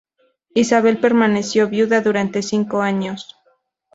Isabel permaneció viuda durante cinco años.